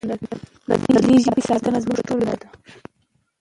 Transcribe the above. د دې ژبې ساتنه زموږ ټولو دنده ده.